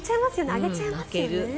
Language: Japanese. あげちゃいますよね。